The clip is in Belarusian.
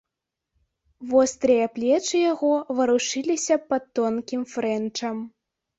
Вострыя плечы яго варушыліся пад тонкім фрэнчам.